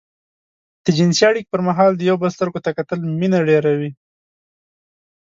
د جنسي اړيکې پر مهال د يو بل سترګو ته کتل مينه ډېروي.